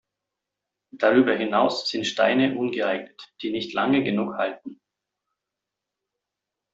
Darüber hinaus sind Steine ungeeignet, die nicht lange genug halten.